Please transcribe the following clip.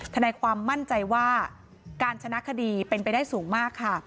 ทนายความมั่นใจว่าการชนะคดีเป็นไปได้สูงมากค่ะ